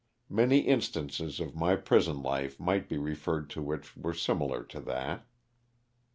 Many instances of my prison life might be referred to which were similar to that.